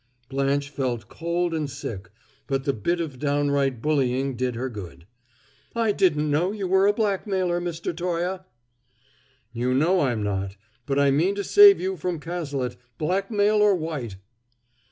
Blanche felt cold and sick, but the bit of downright bullying did her good. "I didn't know you were a blackmailer, Mr. Toye!" "You know I'm not; but I mean to save you from Cazalet, blackmail or white."